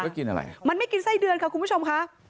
ก็กินอะไรมันไม่กินไส้เดือนค่ะคุณผู้ชมค่ะ